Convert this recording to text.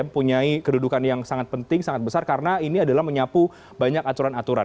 mempunyai kedudukan yang sangat penting sangat besar karena ini adalah menyapu banyak aturan aturan